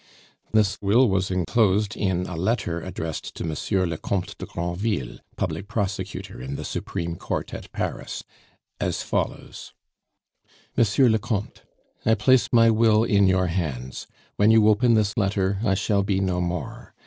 This Will was enclosed in a letter addressed to Monsieur le Comte de Granville, Public Prosecutor in the Supreme Court at Paris, as follows: "MONSIEUR LE COMTE, "I place my Will in your hands. When you open this letter I shall be no more.